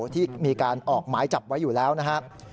ที่มีการออกหมายจับไว้อยู่แล้วนะครับ